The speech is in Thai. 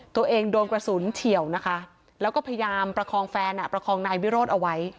ตัวเองโดนกระสุนเฉียวนะคะแล้วก็พยายามประคองแฟนประคองนายวิโรธเอาไว้